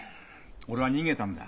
俺は逃げたんだ。